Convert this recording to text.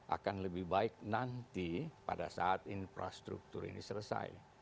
akan lebih baik nanti pada saat infrastruktur ini selesai